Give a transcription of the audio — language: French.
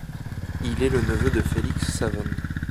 Il est le neveu de Félix Savón.